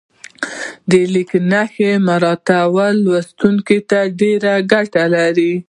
د لیک نښو مراعاتول لوستونکي ته ډېره ګټه لري.